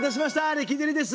レキデリです！